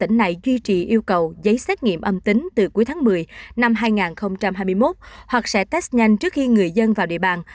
tỉnh này duy trì yêu cầu giấy xét nghiệm âm tính từ cuối tháng một mươi năm hai nghìn hai mươi một hoặc sẽ test nhanh trước khi người dân vào địa bàn